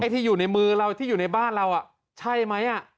ที่อยู่ในมือเราที่อยู่ในบ้านเราใช่ไหม